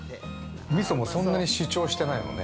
◆みそもそんなに主張してないのね。